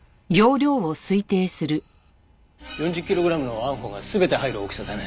４０キログラムのＡＮＦＯが全て入る大きさだね。